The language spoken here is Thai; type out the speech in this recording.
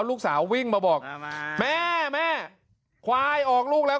ลูกสาววิ่งมาบอกแม่แม่ควายออกลูกแล้ว